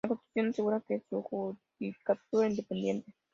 La constitución asegura un judicatura independiente.